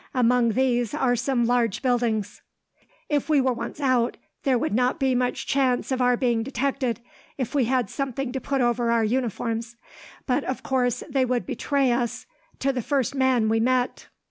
Among these are some large buildings. "If we were once out, there would not be much chance of our being detected, if we had something to put over our uniforms; but, of course, they would betray us to the first man we met."